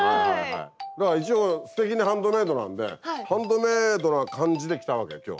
だから一応「すてきにハンドメイド」なんでハンドメイドな感じで来たわけ今日。